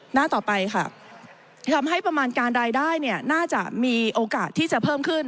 หน้าต่อไปค่ะจะทำให้ประมาณการรายได้เนี่ยน่าจะมีโอกาสที่จะเพิ่มขึ้น